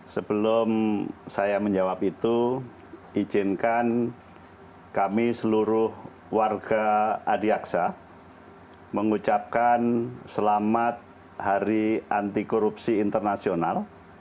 sebelum saya menjawab itu izinkan kami seluruh warga adiaksa mengucapkan selamat hari anti korupsi internasional